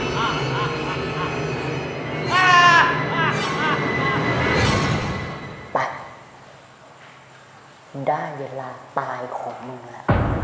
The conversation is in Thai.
ไปมันได้เวลาตายของมึงล่ะ